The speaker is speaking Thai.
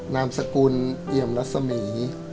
นามสกุลเอี่ยมรัศมี